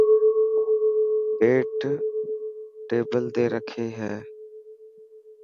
پيپ ٽيبل تي رکي هي.